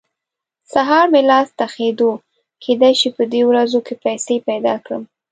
سهار مې لاس تخېدو؛ کېدای شي په دې ورځو کې پيسې پیدا کړم.